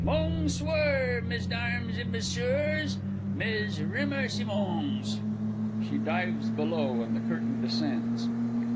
_) Bong swore, Mesdarms et messures, mes remercimongs! [_She dives below, and the Curtain descends.